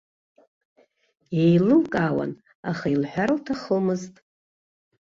Еилылкаауан, аха илҳәар лҭахымызт.